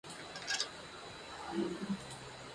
La estación Auburn cuenta con dos plataformas laterales.